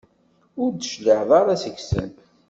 Ur d-tecliɛeḍ ara seg-sen.